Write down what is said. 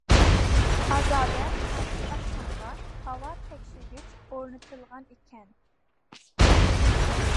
ئازادە، پاكىز ئاشخانىغا ھاۋا تەڭشىگۈچ ئورنىتىلغانىكەن.